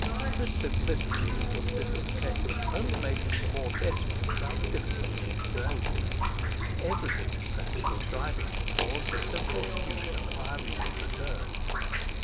This simplicity in his sister's case only made him the more desperate about the difficulty in his own. Everything, in fact, was driving him towards the simple solution of Irene's return.